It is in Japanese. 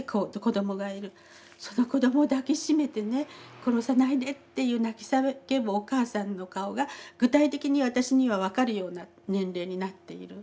その子どもを抱き締めてね「殺さないで」って言う泣き叫ぶお母さんの顔が具体的に私には分かるような年齢になっている。